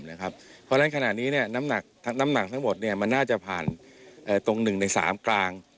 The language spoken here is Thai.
เพราะฉะนั้นขณะนี้เนี่ยน้ำหนักทั้งหมดเนี่ยมันน่าจะผ่านตรงหนึ่งในสามกลาง